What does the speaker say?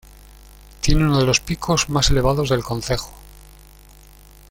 Tiene uno de los picos más elevado del concejo.